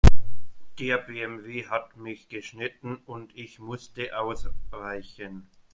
Der BMW hat mich geschnitten und ich musste ausweichen.